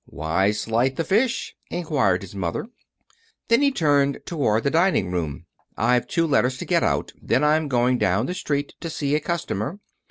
"Why slight the fish?" inquired his mother. Then, as he turned toward the dining room, "I've two letters to get out. Then I'm going down the street to see a customer.